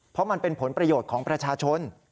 เพราะมันเป็นผลประโยชน์ของประชาชน